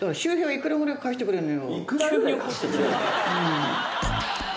いくらぐらい貸してくれるの？